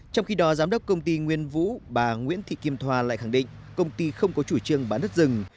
trong khi đó giám đốc công ty nguyên vũ bà nguyễn thị kim thoa lại khẳng định công ty không có chủ trương bán đất rừng